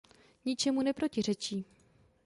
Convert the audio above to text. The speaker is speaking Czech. Ničemu neprotiřečí.